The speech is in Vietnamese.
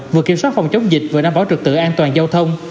vừa kiểm soát phòng chống dịch vừa đảm bảo trực tự an toàn giao thông